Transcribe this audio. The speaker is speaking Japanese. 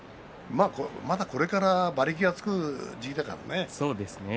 まだこれから馬力がつく時期だからね。